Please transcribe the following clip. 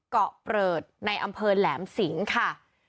เกาะเปลือดในอำเภอแหลมสิงค่ะ